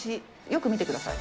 よく見てください。